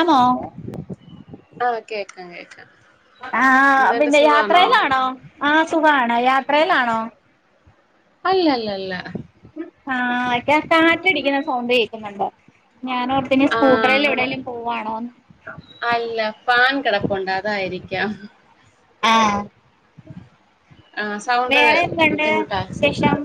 ആമോ ആ കേക്കാ കേക്കാ ആ പിന്നെ യാത്രയിലാണോ ആ സുഖാ അ യാത്രയിലാണോ അല്ലല്ലല്ല [unintelligible] ടിക്കുന്ന സൗണ്ട് കേക്കുന്നുണ്ട് ഞാനോർത്ത് ഇനി ആ സ്കൂട്ടറിൽ എവിടേലും പോവാണോന്ന് അല്ല പാൻ കേടപ്പുണ്ടതായിരിക് ക്കാം ആ ആഹ് സൗണ്ട് വേറെന്തണ്ട് ബുദ്ധിമുട്ടാ വിശേഷം?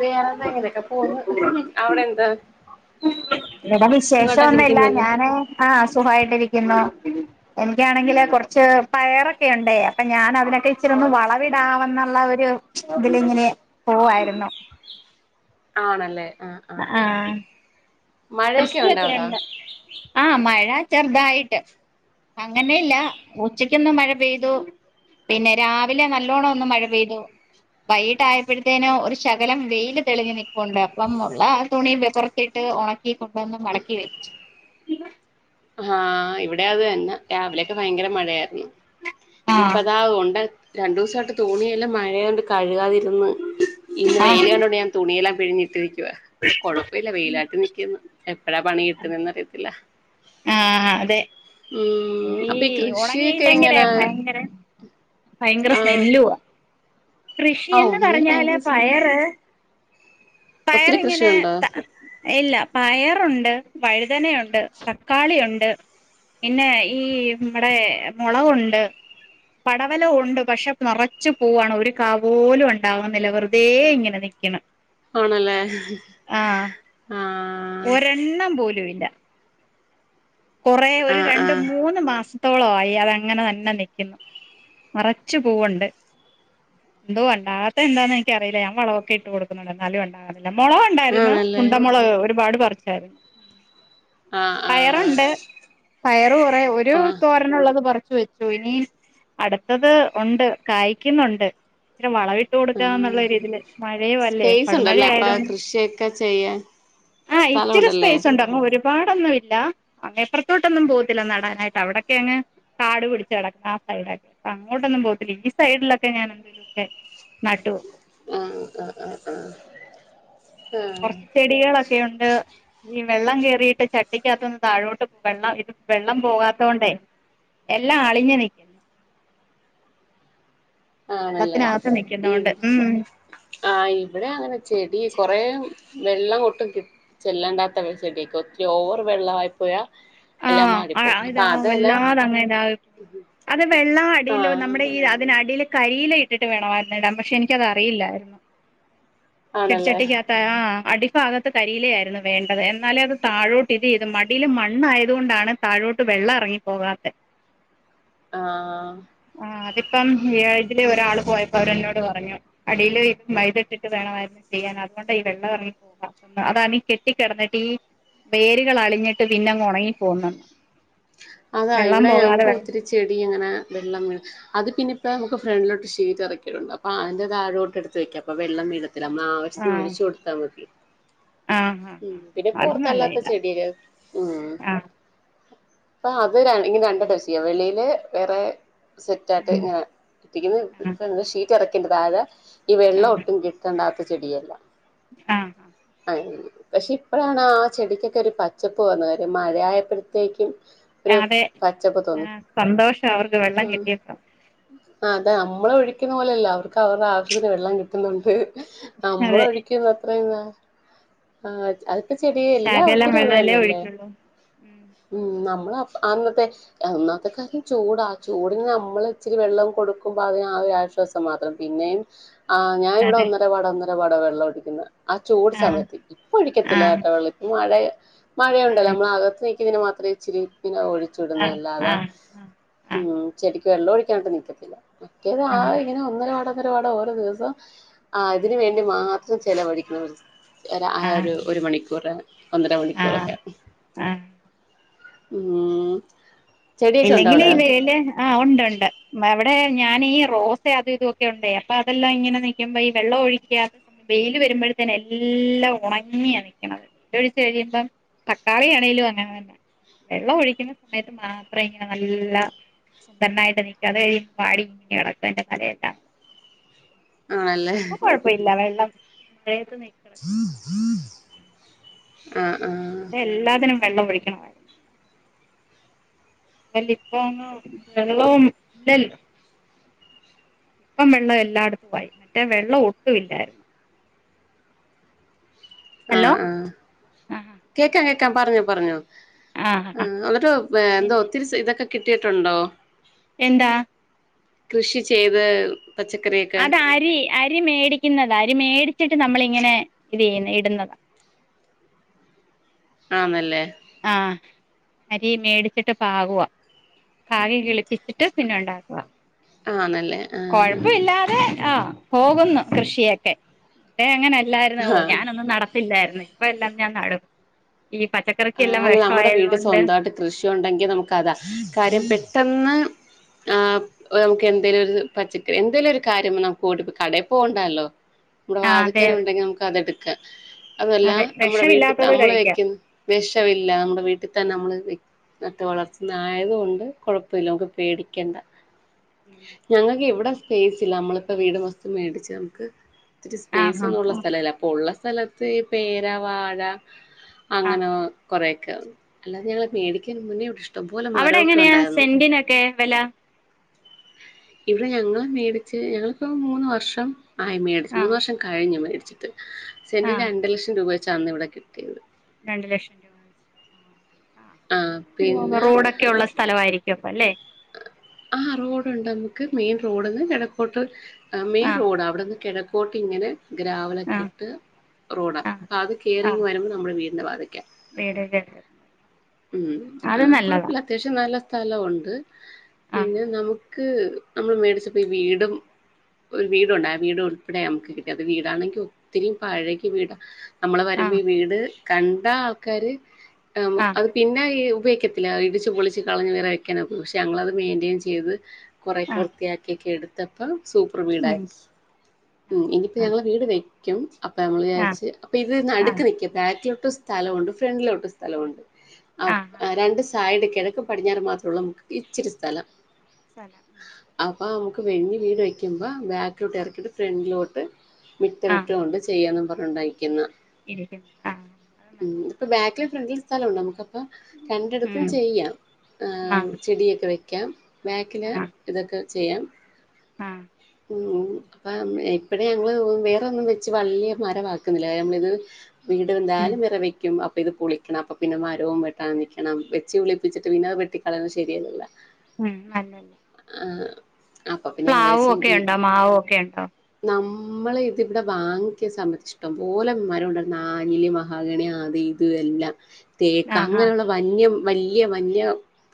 വേറെന്തായിങ്ങനെയക്കെ പോന്ന് അവിടെന്താ ഇവിടെ സുഖാട്ടെക്കെയിരിക്കുന്നില്ലേ? ഇരിക്കുന്നു എനിക്കാണെങ്കില് കൊറച്ച് പയറൊക്കെയുണ്ടെ അപ്പ ഞാനതിനൊ ക്കിച്ചിരെ ഒന്ന് വളവിടാവന്നുള്ള ഒരു ഇതിലിങ്ങനെ പോവായിരുന്നു. ആണല്ലേ ആഹ് അ ആഹ് ആ ആഹ് മഴയൊക്കെ ഉണ്ടോ അവിടെ കൃഷിയൊക്കെയുണ്ട് ആ മഴ ചെറുതായിട്ട് അങ്ങനെയില്ല ഉച്ചക്കൊന്നും മഴ പെയ്തു പിന്നെ രാവിലെ നല്ലോണോന്നു മഴ പെയ്തു വൈകിട്ടായിപ്പഴത്തേന് ഒരു ശകലം വെയില് തെളിഞ്ഞ് നിപ്പോണ്ട് അപ്പം മൊ [unintelligible] തുണി പൊറത്തിട്ട് ഒണക്കി കൊണ്ടുവന്ന് മടക്കി വെച്ചു ഹാ ഇവിടെ അത് തന്നെ രാവിലെക്കെ ഭയങ്കര മഴയായിരുന്നു ആഹ് ഇപ്പതാ ഒണ്ട് രണ്ടുസായിട്ട് തുണിയെല്ലാം മഴയായോണ്ട് കഴുകാതി ന്ന് ഇന്ന് ആഹ് വെയിൽ കണ്ടോണ്ട് ഞാൻ തുണിയെല്ലാം പിഴിഞ്ഞി [unintelligible] ട്ടേക്കുവാ ഇപ്പ കൊഴപ്പയില്ല വെയിലാട്ട് നിക്കിന്ന് എപ്പഴാ പണി കിട്ട്ന്നെന്ന് അറിയത്തില്ല ആ അതെ മ്മ് അപ് ഈ ഉണങ്ങിയില്ലെങ്കിലേ ഭയങ്കര ഭയങ്കര ആഹ് സ്മെല്ലുവ ആഹ് കൃഷിയെന്ന് ഒണങ്ങിയത് പറഞ്ഞാല് ഭയങ്കര രസമല്ല പയറ് ഒത്തിരി പയറിങ്ങനെ കൃഷിയുണ്ടോ ത ഇല്ല പയറുണ്ട് വഴുതനയൊ ണ്ട് തക്കാളിയുണ്ട് പിന്നെ ഈ ഇമ്മടെ മോളകുണ്ട്, പടവെല ഉണ്ട് പക്ഷെ നെറച്ച് പൂവാണ് ഒരു കാവോലും ഉണ്ടാവ്ന്നില്ല വെറുതെ ഇങ്ങനെ നിക്ക്ണ് ആണല്ലേ ആഹ് ഒരെണ്ണം പോലും ഇല്ല കൊറേ ഒര് ആഹ് രണ്ട് ആഹ് മൂന്ന് മാസം ത്രത്തോളം ആഴി അത് അങ്ങനെ തന്നെ നിക്കുന്നു നെറെച്ച് പൂവ്ണ്ട് എന്തോ ഒണ്ടാകാത്തെ എന്താന്ന് എൻക്കറീല ഞാൻ വളവൊക്കെ ഇട്ട് കൊട്ക്കുന്നുണ്ട് എന്നാലും ഉണ്ടാക മോളക് ഉണ്ടായിരുന്നു ആണല്ലേ ഉണ്ടമോളക് ഒരുപാട് പർ [unintelligible] ആഹ് ആഹ് ഇണ്ട് പയറ് കൊറേ ഒരു ആഹ് തോരന്ള്ളത് പറി ച്ചു വെച്ചു ഇനി അട്ത്തത് ഒണ്ട് കായ്ക്ന്നുണ്ട് വളവിട്ട് ആഹ് കൊടുക്കാന്ന്ള്ള രീതില് മഴയുവല്ലേ സ്പേസ് പടുമഴ ഉണ്ടല്ലേ അപ്പ ആയതൊ കൃഷിയൊക്കെ ചെയ്യാൻ ആഹ് സ്ഥലം ഇച്ചിരി ഉണ്ടല്ലേ സ്പൈസുണ്ട് [unintelligible] പാടൊന്നുല്ല അങ്ങെ പൊർത്തോട്ടൊന്നും പോകത്തില്ല നടാനായിട്ട് അവിടൊക്കെ അങ്ങ് കാടു പിടിച്ച് കെടക്കാ ആ സൈഡൊക്കെ അപ്പ അങ്ങോട്ടൊന്നും പോകത്തില്ല ഈ സൈഡിലൊക്കെ ഞാൻ എന്തെലു ഒക്കെ നട്ട് വെക്കും ആ ആ ആ ആ കൊർച്ച് ചെടികളൊക്കെ ഉണ്ട് ഈ വെള്ളം കേറിയിട്ട് ചട്ടിക്ക് അകത്ത്ന്ന് താഴോട്ട് വെള്ളം ഇത് വെള്ളം പോവാത്തോണ്ടെ എല്ലാം അളിഞ്ഞു നി ആണ് അല്ലേ നിക്കുന്നോണ്ട് ഇവ് ഉം ആ ഇവ്ടെ അങ്ങനെ ചെടി കൊറേ വെള്ളം ഒട്ടും കിട്ട് ചെല്ലാണ്ടാത്ത ചെടിക്ക് ഒത്തിരി ഓവർ വെള്ള ആയി പോയാ ആ ആ ഇതാ വെല്ലാതെ അങ്ങനെ ഇതാഹ് അത് വെള്ളം അടിയിലോ ആഹ് നമ്മുടെ ഈ അതിനടിൽ കരി ഇല ഇട്ടിട്ട് വേണമായിരുന്നു ഇടാൻ പക്ഷെ എനിക്കത് അറിയില്ലായിരുന്നു. ചെടി ആണല്ലേ ചട്ടിക്ക് അകത്ത് ആ അടി ഭാഗത്ത് കരിയില ആയിരുന്നു വേണ്ടത് എന്നാലേ അത് താഴോട്ട് ഇത് ഇത് മടിയിൽ മണ്ണ് ആയ അതുകൊണ്ടാണ് താഴോട്ട് വെള്ളം അറങ്ങിപ്പോകാത്തെ ആ ഇപ്പം ഏ ഇതിലെ ഒരാൾ പോയപ്പോ അവര് എന്നോട് പറഞ്ഞു അടിൽ ഇത് മൈത ഇട്ടിട്ട് വേണമായിരുന്നു ചെയ്യാൻ അതുകൊണ്ടാ ഈ വെള്ളം ഇറങ്ങി പോവാത്തോണ്ട് അതാണ് ഈ കെട്ടിക്കെടന്നിട്ട് ഈ വേരുകൾ അളിഞ്ഞിട്ട് പിന്നെ അങ്ങ് ഒണങ്ങി പോവ്ന്നെ അതാ ഇവിടെ ഞങ്ങക്ക് ഒത്തിരി ചെടി അങ്ങനെ വെള്ളം വീണ് അത് പിന്നെ ഇപ്പ അമ്മക്ക് ഫ്രിഡിലോട്ട് ഷീറ്റ് അറക്കലുണ്ട് അപ്പ അതിന്റെ താഴോട്ട് എടുത്ത് വെക്കാം അപ്പം വെള്ളം വീഴ ഇത്ര ആ ആവശ്യത്തിന് ഒഴിച്ചു കൊടുത്താ മതി. ആ ആ ഉം പിന്നെ അത് പൊറത്ത് നല്ല അല്ലാത്ത ഇതാ ചെടിയിൽ ഉം. ആ അപ്പ അത് രൺ ഇഞ്ഞിം രണ്ട് ടെസ്റ്റ് ചെയ്യാവോ വെളിയില് വേറെ സെറ്റ് ആയിട്ട് ഉം ഇങ്ങനെ ആ [unintelligible] ഷീ [unintelligible] താഴെ ഈ വെള്ളം ഒട്ടും കിട്ടണ്ടാത്ത ചെടി അല്ല ആ ആ പക്ഷെ ഇപ്പളാണ് ആ ചെടിക്കൊക്കെ ഒരു പച്ചപ്പ് വന്നത് മഴയായപ്പത്തേക്കും അതേ ആ സന്തോഷം അവർക്ക് വെള്ളം കിട്ടിയപ്പം ആ അതെ അമ്മള് ഒഴിക്കുന്ന പോലെയല്ല അവർക്ക് അവരുടെ ആവശ്യത്തിന് വെള്ളം കിട്ടുന്നുണ്ട് നമ്മള് അതെ ഒഴിക്കുന്ന ത്രയുംന്നാ ആ ത് അഹ് ചെടിയേ ശകലം എല്ലാത്തിനും അത് വെള്ളമല്ലേ തന്നെല്ലേ ഒഴിക്കുള്ളൂ ഉം ഉം അ മ്മള അപ്പ ആന്നത്തെ ഒന്നാംത്തെ കാര്യം ചൂട ചൂടിന്ന് അമ്മള് ത്തിരി വെള്ളവും കൊടുക്കുമ്പോ അത് ആ ഒരു ആശ്വാസം മാത്രം പിന്നെയും ആ ഞാ ഇവിടെ അതെ ഒന്നര പാടാന്ന് ദ വട വെള്ളം ഒടിക്കുന്ന ആ ചൂട് ആഹ് സമയത്ത് ഇപ്പൊ ഒഴിക്കത്തില്ല ആഹ് ഏട്ടോ വെള്ളറ്റ് മഴയാ മഴയുണ്ട് ആഹ് നമ്മള ആകത്ത് നി ഇതിന് മാത്ര ഇച്ചിരി പിന്നെ ഒഴിച്ചുടുന്ന ആഹ് അല്ലാത ആഹ് ആഹ് ഉം ചെടി വെള്ളോയി കാണ്ട് നിക്കത്തില്ല കേ ഒരാള് ഇങ്ങനെ ഒന്നരവാടാ ന്നര പാടോ ഓരോ ദിവസം ആ അതിന് ആഹ് വേണ്ടി മാ ചെലവഴിക്കണ [unintelligible] എര ആ ആഹ് ഒരു ഒരു മണിക്കൂറ് ഒന്നര ആഹ് മണിക്കൂറൊക്കെ ആഹ് ഉം ചെടിയൊക്കെ ഉണ്ടോ ഇല്ലങ്കില് അവിടെ ഇ വെയില് ആ ഉണ്ട് ഉണ്ട് അവിടെ ഞാൻ ഈ റോസേ അത് ഇത് ഒക്കെ ഉണ്ടേ അപ്പൊ അതല്ലാം ഇങ്ങനെ നിക്കുമ്പോ ഈ വെള്ളം ഒഴിക്കാത്ത വെയില് വരുമ്പയ് തന്നേ എല്ലാം ഉണങ്ങിയാ നിക്ക്ണത് ഒഴിച്ച് കഴിയുമ്പം തക്കാളിയാണങ്കിലും അങ്ങനെ തന്ന വെള്ളം ഒഴിക്കുന്ന സമയത്ത് മാ ത്ര ഇങ്ങനെ നല്ല സുന്ദരനായിട്ട് നിക്കന്നേ വാടി കടക്കും എന്റെ തലേല ആണല്ലേ ഇപ്പോ കൊഴപ്പയില്ല വെള്ളം വെയിലത്ത്‌ നിക്ക്ണത് ആ ആ വെള്ളം ഒഴിക്കണം വല്ലിപ്പൊന്നും വെള്ളവും ഇല്ലല്ലോ ഇപ്പം വെള്ളം എല്ലാടത്തും മറ്റേ വെള്ളം ഒട്ടും ഇില്ലായിരുന്നു ആ ഹലോ ആ ആഹ് കേക്ക് ആ പറഞ്ഞോ പറഞ്ഞോ ആഹ് ആ എന്നിട്ടോ ആ പിന്നെ ഒത്തിരി ഇതൊക്കെ കിട്ടിയിട്ടുണ്ടോ എന്താ കൃഷി ചെയ്ത് പച്ചക്കറിയൊക്കെ അത് അരി അരി മേടിക്കുന്നത് അരി മേടി വച്ചിട്ട് നമ്മള ഇങ്ങനെ ഇത് ചെയ്യുന്ന ഇടുന്നതാ ആനല്ലേ ആ അരി മേടിച്ചിട്ട് പാകുവാ പാകി കിളിപ്പി ചുറ്റ പിന്നെ ഉണ്ടാക്കുക ആന്നല്ലേ ആഹ് കൊഴപ്പ ഇില്ലാതെ ആഹ പോകുന്നു കൃഷിയൊക്കെ അങ്ങനെ ഇല്ലായിരുന്ന ഓ ആഹ് ഞാനൊന്നും നടത്തില്ലായിരുന്ന ഇപ്പ എല്ലാം ഞാൻ നടും ഈ പച്ചക്കറി ആ അല്ല നമ്മുടെ വീട് സ്വന്തമായിട്ട് കൃഷിയ ഉണ്ടെങ്കിൽ നമുക്ക്താ കാര്യം പെട്ട പെട്ടെന്ന് ആ നമുക്ക് എന്തെങ്കിലും ഒരു പച്ചക്കറി എന്തേലും ഒരു കാര്യം വന്നാൽ പോവാണ്ടല്ലോ കടേ പോണ്ടല്ലോ ഇവിടെ ആ അതെ അതെ വാധിക്കലുണ്ടെങ്കി നമക്കത് എടുക്ക ക്ക അതല്ല അതെ നമ്മടെ വീട്ടിൽ വിഷമില്ലാത്തത് നമ്മള് കഴിക്കാം വെക്ക വിഷമില്ല നമ്മുടെ വീട്ടിൽ തന്നെ നമ്മള് നട്ട് വളർത്തുന്ന ആയത കൊണ്ട് കൊഴപ്പമില്ല നമുക്ക് പേടിക്കണ്ട ഞങ്ങൾക്ക് എവിടെ സ്പേസ് ഇല്ല നമ്മൾ ഇപ്പോൾ വീട് മൊത്തം മേടിച്ചോളൂ ഒത്തിരി സ്പേസ് ആഹാ ഒന്നുള്ള സ്ഥലല്ല അപ്പൊ ഉള്ള സ്ഥല സ്ഥലത്ത് ഈ പേര വാഴ ആ അങ്ങനെ കുറെേയൊക്കെ അല്ലാതെ ഞങ്ങളെ മേടിക്കൻ മുന്നേ ഇ ഇഷ്ടംപോലെ അവിടെ മരമൊക്കെ എങ്ങനെയാ ഉണ്ടായിരുന്നു സെന്റിനൊക്കെ വില ഇവിടെ ഞങ്ങളെ മേടിച്ച് ഞങ്ങളിപ്പ മൂന്ന് വർഷം ആയി മേട ആ മൂന്ന് വർഷം കഴിഞ്ഞ മെഡി ച [inaudible] ആ സെന്റിന്റെ രണ്ട് ലക്ഷം രൂപ വെച്ച് വെച്ചാണ് ഇവിടെ കിട്ടിയത് രണ്ട് ലക്ഷം ആ റോഡൊക്കെ ഉള്ള സ്ഥലയിരിക്കും അപ്പ അല്ലെ ആ റോഡുണ്ട് നമുക്ക് മെയിൻ റോഡന്ന് കിഴക്കോട്ട് മെയിൻ ആ റോഡ് അവിടെ നിന്ന് കിഴക്ക് പോട്ടിങ്ങനെ ആ ഗ്രാവലൊക്കെ ഇട്ട് റോഡാ ആ അത് കേറി ആ ഇങ്ങ് വരുമ്പോൾ നമ്മുടെ വീ വീട് [unintelligible] അത് ആ നല്ലതാ കുഴപ്പില്ല അത്യാവശ്യം നല്ല സ്ഥലമുണ്ട് ആ പിന്നെ നമ്മു ക്ക് നമ്മള് മേടിച്ചപ്പോ ഈ വീടുംഒരു വീടുണ്ട് ആ വീട് ഉൾപ്പെടെ നമുക്ക് കിട്ടിയ അത് വീടാണെങ്കിൽ ഒത്തിരി പഴകിയ വീടാ നമ്മള് ആ വരുമ്പോ ഈ വീട് കണ്ട ആൾക്കാര് ആ അത് പിന്നെ ഈ ഉപയോഗത്തില്ല ഇടിച്ചു പൊളിച്ചും കളഞ്ഞ് വേറേ വെക്കണം പക്ഷെ ഞങ്ങളത് മെയിന്റെൻ ചെയ്ത് കുറെ ആ വൃത്തിയാക്കിയൊക്കെ എടുത്ത് തപ്പം സൂപ്പർ വീടായി ഉം ആ ഉം ഇനിയിപ്പോ ഞങ്ങള് വീട് വെ ക്കും അപ്പൊ നമ്മള് ആ വിചാരിച്ച്അപ്പ ഇത് നടുക്ക്നിക്ക ബാക്കി സ്ഥലമുണ്ട്. ഫ്രണ്ട്ലിലോട്ട് സ്ഥലമുണ്ട്. ആ രണ്ട് സൈഡ കിഴക്ക് പടിഞ്ഞാറ് മാത്രമുള്ള നമ്മുക് ഇച്ചിരി സ്ഥലം സ്ഥലം ഉം അപ്പോം നമുക്ക് വലിയ വീട് വയ്ക്കുമ്പോൾ ബാക്കിലോട്ട് ഇറക്കി യിട്ട് ഫ്രണ്ടിലോട്ട് മിറ്റം വിട്ടുകൊണ്ട് ചെയ്യും പറഞ്ഞു ഉണ്ടായിക്കുന്ന ഇരിക്കും ആ ഫ്രണ്ടില് സ്ഥലമുണ്ട് നമ്മക്ക് അപ്പം രണ്ടിടത്തും ഉം ചെയ്യാം ആ [unintelligible] വെക്കാം ബാക്കില് ആ ഇതൊക്കെ ചെയ്യാം ആ ഉം അപ്പ ഇപ്പഴെഞങ്ങള് വേറൊന്നും വെച്ച് വലിയ മരമാക്കുന്നില്ല. ഞ മ്മളിത് വീട് ഉം എന്തായാലും വേറെ വക്കും. അപ്പൊ ഇത് പൊളിക്കണം അപ്പൊ പിന്നെ മരവും വെട്ടാൻ നില്ക്കണം. വെച്ച് കിളിപ്പിച്ചിട്ട് പിന്നെ അത് വെട്ടിക്കളയുന്നത് ശരിയല്ലല്ലോ. ഉം നല്ലല്ലേ ആ അപ്പൊ പിന്നെ ഞങ്ങ വി ഒക്കെ ഉണ്ടോ മാവ് ഓക്കെ ഉണ്ടോ നമ്മള് ഇതിവിടെ വാങ്ങിയ സമ്മധിഷ്ടം പോലെ മരം ഉണ്ട് നഞ്ഞില് മഹാഗണി അത് ഇദ് എല്ലാം തേക്ക് ആഹ് ഹാ അങ്ങനെയുള്ള വന്യം വല്യ വല്യ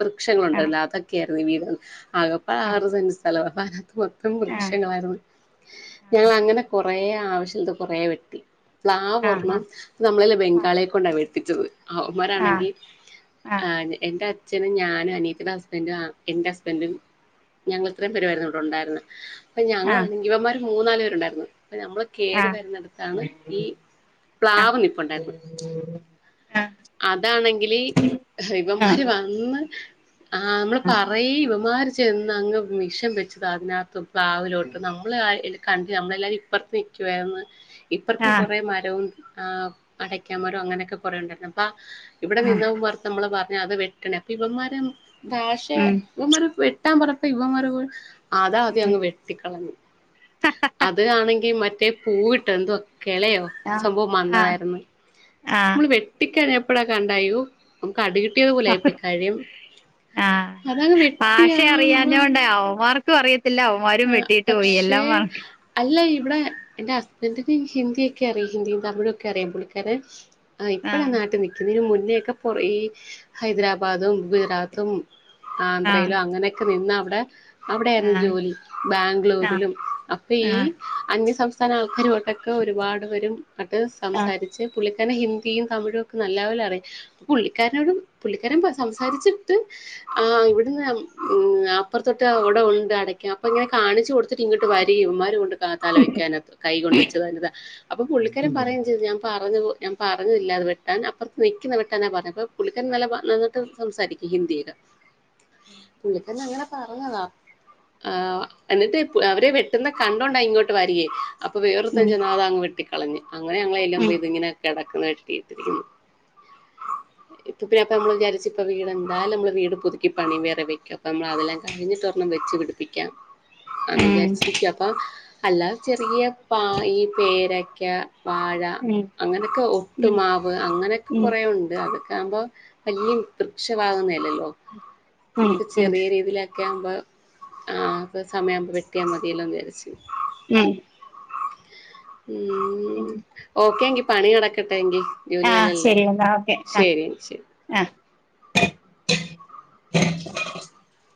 വൃക്ഷങ്ങളൾ ഉണ്ടാവല്ലോ അതൊക്കെയ [unintelligible] ആകപടെ ആഹ് ആറ്സെന്റ് സ്ഥലവാ അതിനകത്തു ആഹ് വൃക്ഷങ്ങളായിരുന്നു ഞങ്ങൾ അങ്ങനെ കുറെ കുറെ ആവശ്യ കൊറേ വെട്ടി പ്ലാവ് ആഹ് ഒരണ്ണം ആഹ് നമ്മളെല്ല ബംഗാളിയെ കൊണ്ടാണ് വെട്ടി ച് ആഹ് അവന്മാരാണെങ്കി ആ ആഹ് എന്റെ അച്ഛ അച്ഛനും ഞാനും അനിയത്തിയുടെ ഹസ്ബൻഡും എൻന്റെറെ ഹസ്ബൻഡും ഞങ്ങൾ ഇത്രയും പേരായിരുന്നു ഇവിടെണ്ടായിരുന്നത് അപ്പ ഞങ്ങ ആഹ് ഇവന്മാർ മൂന്നാല് പേരുണ്ടായിരുന്നു നമ്മൾ ആഹ് കേയറി ആഹ് വരുന്നിടുത്താണ് ഈ പ്ലാവ് നി ഇപ്പ ഉണ്ടായിരുന്നു അതാണെങ്കിൽ ഇവമാര് ആഹ് ആഹ് വന്ന് ആ നമ്മള് പറയി ഇവമാര് ചെന്ന് അങ്ങ് മിഷൻ വെ [unintelligible] പ്ലാവിലോട്ട് നമ്മള് അ കണ്ട് നമ്മളെല്ലാവരും ഇപ്പറത്തെ നിക്കുവാര്ന്ന് ആഹ് ഇപ്പറത്തും ആഹ് കുറേ മരവും ആ അടക്കാ മരവും അങ്ങനെയൊക്കെ കുറേ ഉണ്ടായിരുന്നു അപ്പൊ ഇവിടെ ആഹ് നിന്നവും പുറത്ത് നമ്മള് അത് വേട്ടന് അപ്പ ഇവന്മാർ ഭാഷ ഉം ഇവന്മാർ വെട്ട് വെട്ടാൻ പറഞ്ഞപ്പോ ഇവന്മാർ പോലും അതാ ഉം ങ്ങ് വെട്ടികളഞ്ഞ് അത് ആണെങ്കിൽ മറ്റേ റ്റെ പൂവ് ഇട്ട എനന്തോ കേളയോ ആഹ് സംഭവം ആഹ് വന്നതായിരുന്നു ആഹ് നമ്മള് വെട്ടിക്കഴി ഇപ്പളോക്കെ അണ്ടായു അടികിട്ടിയാദ് പോലെ ആയി പോയി കഴും ആഹ് അതങ്ങ് ഭാഷ വെട്ടിയാ നമ്മള മാരും വെട്ടിട്ട് പോയി എല്ലാം മറ ഇല്ല ഇവിടെ എന്റെ ഹസ്ബന്റിന് ഹിന്ദിയൊക്കെ അറിയാം ഹിന്ദിയും തമിഴൊക്കെ അറിയാം പുള്ളിക്കാരൻ ആ ഇപ്പോഴാ ആഹ് നാട്ടി നിക്കുന്നേ ഇതിനുമുന്നേ പിന്നെയൊക്കെ കൊറേ ഹൈദരാബാദും ഗുജറാത്തും ആഹ് ആന്ധ്രയിലോ അങ്ങനെയൊക്കെ നിന്നാ അവിടെ അവിടെ ആയിര്ന്ന് ആഹ് ജോലി ആഹ് ബാംഗ്ളൂരിലും അപ്പ ഈ ആഹ് അന്യ സം [unintelligible] [unintelligible] ഒരുപാട് വരും അത് ആഹ് സംസാരിച് പുള്ളി ഹിന്ദിയും തമിഴ്യൊക്കെ നല്ല പോലെ അറിയാം പുള്ളികാരനോടും പുള്ളിക്കാരൻ സംസാരിച്ചിട്ട് ആഹ് ഇവ്ട്ന്ന് ഊം അപ്പതൊട്ട് ഇവിടെ ഉണ്ട് അടക്ക ങ്ങനെ കാണിച്കൊട്തിട്ട് ഇങ്ങ്ട്ട് വരി ഇവന്മാര് കൊണ്ട് തല വെക്കാനൊക്കെ കൈ കൊണ്ടിച്ചു അപ്പൊ പുള്ളിക്കാരൻ പറയേം ചെയ്ത് ഞാൻ പറഞ്ഞ പൊ ഞാൻ പറഞ്ഞില്ല അത് വെട്ടാൻ അപ്പറത്ത് നിക്കുന്ന വെട്ടാനാ പറഞ്ഞെ അപ്പ പുുള്ളിക്കാരൻ നല്ല [unintelligible] നന്നായിട്ട് സംസാരിക്കും ഹിന്ദിയൊക്കെ പുള്ളിക്കരനങ്ങനെ പറഞ്ഞതാ ആ എന്നിട്ട് ഇ അവരെ വെട്ടുന്ന കണ്ടോണ്ടാ ഇങ്ങോട്ട് വര്യേ അപ്പം വേറൊരുത്തൻ ഉം ചെന്ന് അങ്ങ് വെട്ടി കളഞ്ഞ് അങ്ങനെ ഞങ്ങള് ചെല്ലുമ്പോ ഉം പൊയ്ത് ഇങ്ങനെ കെട [unintelligible] ട്ടിടിരിക്ണ് ഇപ്പൊ പിന്നെന്നപ്പോമ്മൾ വിചാരിച് ഇപ്പൊ വീടെന്തായാലും നമ്മൾ പുതുക്കി പണിയും വേറെ വെ അപ്പമ്മൾ അതെല്ലാം കഴിഞ്ഞ് ഒരെണ്ണം വെച്ച് പിടി പ്പിക്കാം അന്ന് ഉം വിചാരിച്ചിരിക്ക അപ്പൊ അല്ലാ ചെറിയ പ ഈ പേരയ്ക്ക വാഴ ഉം അങ്ങനെക്കെ ഉം ഒട്ടുമാവ് അങ്ങനെക്കെ കൊറേ ഉം ഉണ്ട് [unintelligible] ആമ്പോ വല്യേ വൃക്ഷവാകുന്നഅലല്ലോ മുക്ക് ഉം ചെറിയ രീതിയിൽ [inaudible] മ്പോ ആഹ് [unintelligible] സമയാവുമ്പോ വെട്ടിയമതീലോന് വിചാരി ഊം ഊം ഒക്കെങ്കി പണി നടക്കട്ടെ എങ്കി ആഹ് ജോലീയലല്ലേ ശരി എന്നാ ഓക്കെ ആഹ് ശെരി ശെരി ആഹ് [unintelligible]